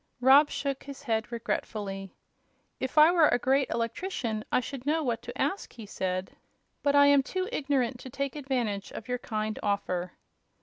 Rob shook his head regretfully. "If I were a great electrician I should know what to ask," he said. "But I am too ignorant to take advantage of your kind offer."